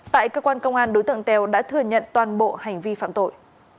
tại cơ quan công an đối tượng tèo đã thừa nhận toàn bộ hành vi phạm tội